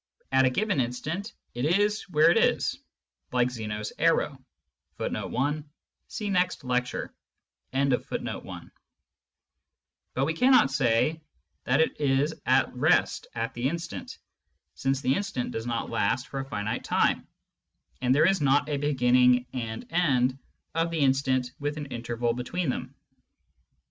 At a given instant, it is where it is, like Zeno's arrow ;^ but we cannot say that it is at rest at the instant, since the instant does not last for a finite time, and there is not a beginning and end of the instant with an interval between them.